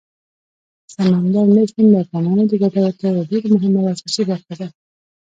سمندر نه شتون د افغانانو د ګټورتیا یوه ډېره مهمه او اساسي برخه ده.